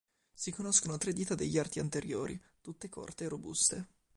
Si conoscono tre dita degli arti anteriori, tutte corte e robuste.